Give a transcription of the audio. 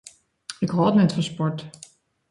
Ik hâld net fan sport.